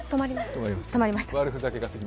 止まりましたね。